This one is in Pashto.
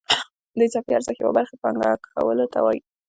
د اضافي ارزښت یوې برخې پانګه کولو ته وایي